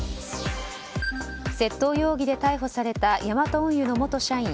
窃盗容疑で逮捕されたヤマト運輸の元社員